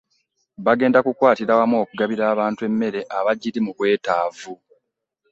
Bagenda kukwatira wamu okugabira abantu emmere abagiri mu bwetaavu.